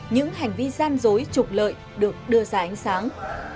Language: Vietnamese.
những hành vi gian dối trục lợi được đưa ra ánh sáng